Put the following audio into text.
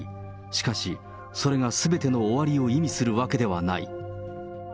しかし、それがすべての終わりを意味するわけではない。